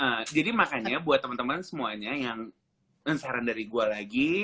betul jadi makanya buat temen temen semuanya yang saran dari gua lagi